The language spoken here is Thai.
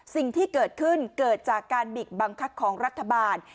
สิ่งที่เกิดขึ้นเกิดจากการบิกบังคับของรัฐบาล